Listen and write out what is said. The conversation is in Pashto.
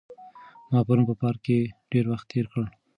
ما پرون په پارک کې ډېر وخت تېر کړ.